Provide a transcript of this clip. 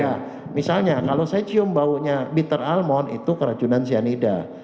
ya misalnya kalau saya cium baunya bitter almond itu keracunan cyanida